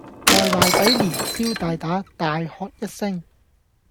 外賣仔連消帶打，大喝一聲